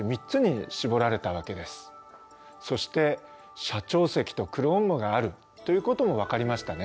そして斜長石と黒雲母があるということも分かりましたね。